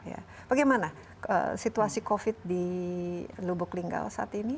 ya bagaimana situasi covid di lubuk linggau saat ini